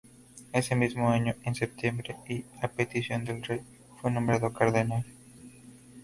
Ese mismo año, en septiembre, y a petición del rey, fue nombrado cardenal.